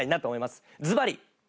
ずばり。